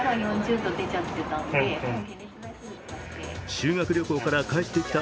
修学旅行から帰ってきた